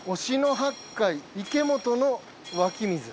八海池本の湧き水。